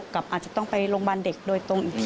อาจจะต้องไปโรงพยาบาลเด็กโดยตรงอีกที